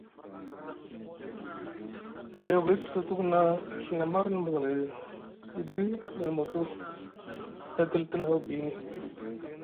Ahiyogoy te sa tuku na a Ɵina marni zamay siɗi miŋ moto ɓa e tilitini haw biini.